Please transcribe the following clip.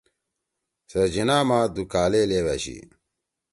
سے جناح ما دُو کالے لیؤ أشی